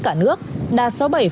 cả nước đa sáu mươi bảy năm